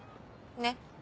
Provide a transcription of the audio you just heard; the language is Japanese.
ねっ。